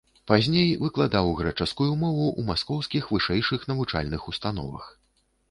Пазней выкладаў грэчаскую мову ў маскоўскіх вышэйшых навучальных установах.